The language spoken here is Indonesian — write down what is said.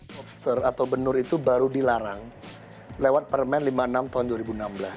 lobster atau benur itu baru dilarang lewat permen lima puluh enam tahun dua ribu enam belas